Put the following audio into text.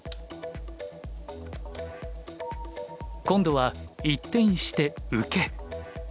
今度は一転して受け。